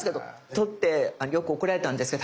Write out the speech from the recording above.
取ってよく怒られたんですけど